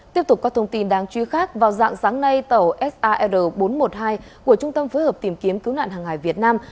tiếp tục có thông tin đáng chú ý khác vào dạng sáng nay tàu sar bốn trăm một mươi hai của trung tâm phối hợp tìm kiếm cứu nạn hàng hải việt nam